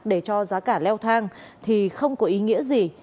để cho giá cả leo thang thì không có ý nghĩa gì